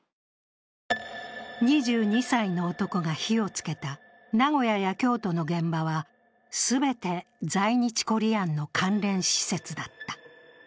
２２歳の男が火をつけた名古屋や京都の現場は、全て在日コリアンの関連施設だった。